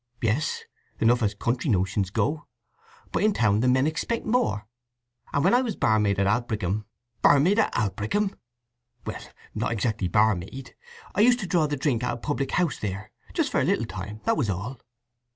"Yes, enough as country notions go. But in town the men expect more, and when I was barmaid at Aldbrickham—" "Barmaid at Aldbrickham?" "Well, not exactly barmaid—I used to draw the drink at a public house there—just for a little time; that was all.